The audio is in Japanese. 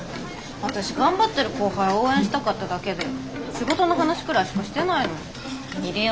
私頑張ってる後輩応援したかっただけで仕事の話くらいしかしてないのに！